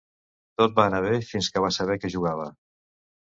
Tot va anar bé fins que va saber que jugava.